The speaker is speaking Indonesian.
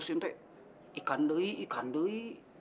masih ada yang ikan doi ikan doi